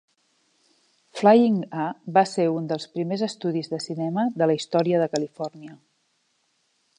Flying A va ser un dels primers estudis de cinema de la història de Califòrnia.